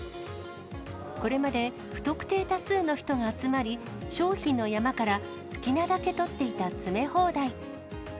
これまで不特定多数の人が集まり、商品の山から好きなだけ取っていた詰め放題。